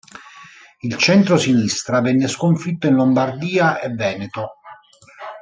Il centro-sinistra venne sconfitto in Lombardia e Veneto.